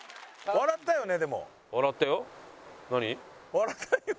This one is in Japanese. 笑った今。